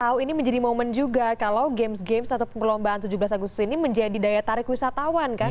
wow ini menjadi momen juga kalau games games atau perlombaan tujuh belas agustus ini menjadi daya tarik wisatawan kan